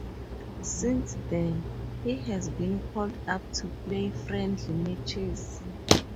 Since then, he has been called up to play friendly matches.